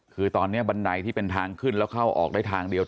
คือตอนนี้บันไดที่เป็นทางขึ้นแล้วเข้าออกได้ทางเดียว